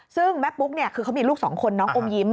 ซึ่งแม่ปุ๊กคือเขามีลูก๒คนน้องอมยิ้ม